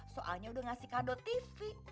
soalnya udah ngasih kado tv